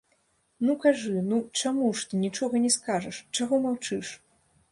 Ну, кажы, ну, чаму ж ты нічога не скажаш, чаго маўчыш?!